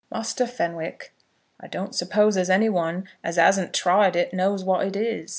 "Muster Fenwick, I don't suppose as any one as asn't tried it knows what it is.